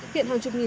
viện hàng chục nghìn